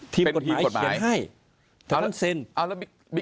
ทีมกฎหมายเขียนให้